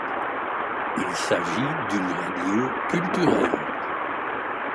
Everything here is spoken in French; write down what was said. Il s'agit d'une radio culturelle.